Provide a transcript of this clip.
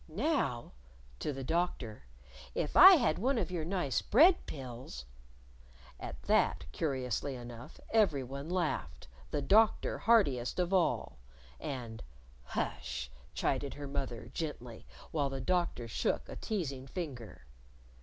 Now" to the Doctor "if I had one of your nice bread pills " At that, curiously enough, everyone laughed, the Doctor heartiest of all. And "Hush!" chided her mother gently while the Doctor shook a teasing finger.